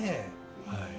はい。